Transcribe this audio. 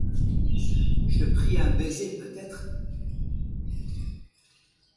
Je pris un baiser peut-être ;